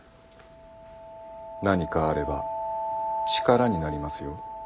何かあれば力になりますよ。